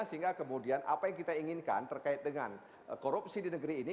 sehingga kemudian apa yang kita inginkan terkait dengan korupsi di negeri ini